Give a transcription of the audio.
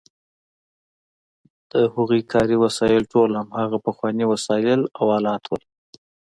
د هغوی کاري وسایل ټول هماغه پخواني وسایل او آلات وو.